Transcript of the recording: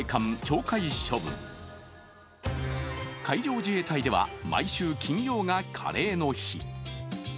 海上自衛隊では、毎週金曜がカレーの日。